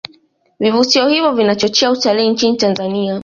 Vivutio hivyo vinachochea utalii nchini tanzania